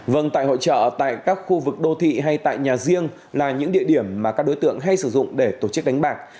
vâng tại hội trợ tại các khu vực đô thị hay tại nhà riêng là những địa điểm mà các đối tượng hay sử dụng để tổ chức đánh bạc